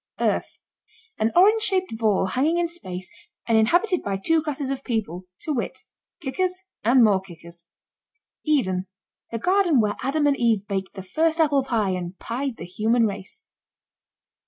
EARTH. An orange shaped ball hanging in space and inhabited by two classes of people, to wit: kickers and more kickers. EDEN. The garden where Adam and Eve baked the first apple pie and pied the human race.